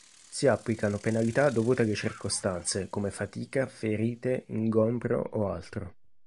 Si applicano penalità dovute alle circostanze, come fatica, ferite, ingombro o altro.